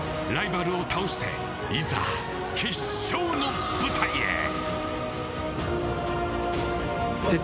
ライバルを倒していざ決勝の舞台へ。